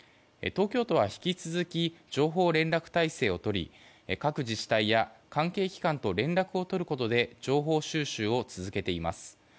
東京都は引き続き情報連絡体制をとり各自治体や関係機関と連絡を取ることで情報収集を続けています。